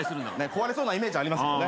壊れそうなイメージありますけど。